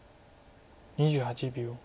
２８秒。